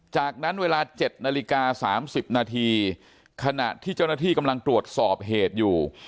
จากนั้นเวลา๗นาฬิกา๓๐นาทีขณะที่เจ้าหน้าที่กำลังตรวจสอบเหตุอยู่